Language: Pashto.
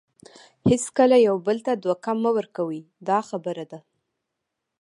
هیڅکله یو بل ته دوکه مه ورکوئ دا خبره ده.